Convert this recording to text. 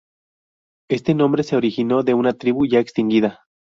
Este nombre se originó de una tribu ya extinguida.